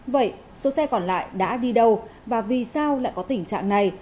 vậy số xe còn lại đã đi đâu và vì sao lại có tình trạng này